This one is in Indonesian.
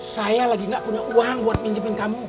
saya lagi gak punya uang buat minjemin kamu